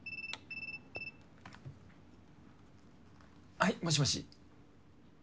はいもしもし。